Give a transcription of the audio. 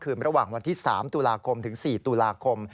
ระหว่างวันที่๓ตุลาคมถึง๔ตุลาคม